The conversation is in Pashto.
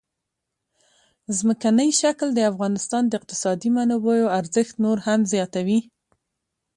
ځمکنی شکل د افغانستان د اقتصادي منابعو ارزښت نور هم زیاتوي.